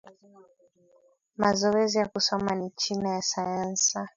Mazowezi ya kusoma ni china ya sayansa